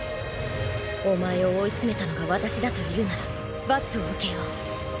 お前を追い詰めたのが私だというなら罰を受けよう。